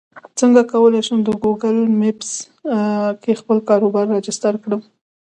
څنګه کولی شم د ګوګل مېپس کې خپل کاروبار راجستر کړم